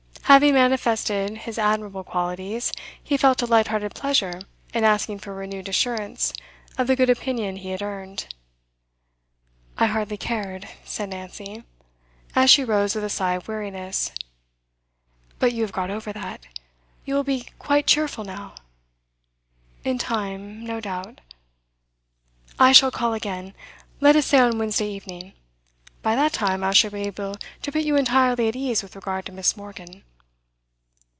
Having manifested his admirable qualities, he felt a light hearted pleasure in asking for renewed assurance of the good opinion he had earned. 'I hardly cared,' said Nancy, as she rose with a sigh of weariness. 'But you have got over that. You will be quite cheerful now?' 'In time, no doubt.' 'I shall call again let us say on Wednesday evening. By that time I shall be able to put you entirely at ease with regard to Miss Morgan.